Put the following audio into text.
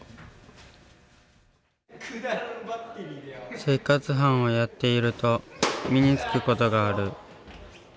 生活班をやっていると身につくことがある。